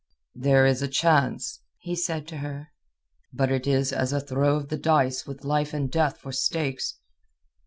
"There is a chance," he said to her. "But it is as a throw of the dice with life and death for stakes."